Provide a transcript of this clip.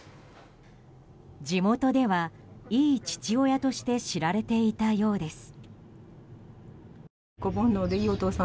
地元では、いい父親として知られていたようです。